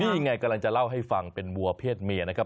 นี่ไงกำลังจะเล่าให้ฟังเป็นวัวเพศเมียนะครับ